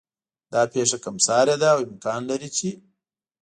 دا پېښه کم سارې ده او امکان لري چې